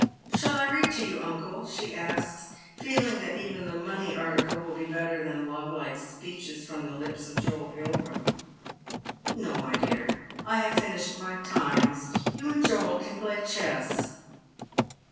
" Shall I read to you, uncle ?" she aske, feeling that even tiv money article will be better than love hke speeches fi'om the lips of Joel Pilgrim. " No, my dear, I have finished my Times. You and Joel can play chess."